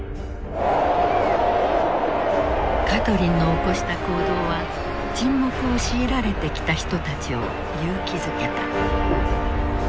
カトリンの起こした行動は沈黙を強いられてきた人たちを勇気づけた。